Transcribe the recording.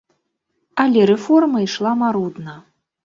Але рэформа ішла марудна.